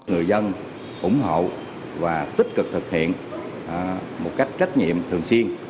người dân ủng hộ và tích cực thực hiện một cách trách nhiệm thường xuyên